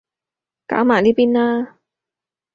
搞埋呢邊啦